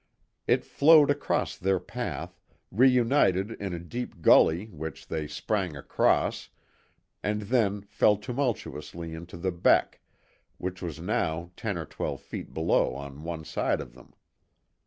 It flowed across their path, reunited in a deep gully which they sprang across, and then fell tumultuously into the beck, which was now ten or twelve feet below on one side of them.